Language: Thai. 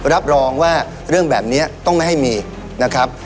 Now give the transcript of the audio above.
รับรองว่าเรื่องแบบนี้ต้องไม่ให้มีนะครับ